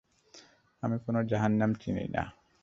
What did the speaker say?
আমি কোন জাহান্নাম চিনি না।